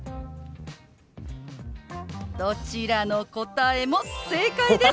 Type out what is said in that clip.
どちらの答えも正解です！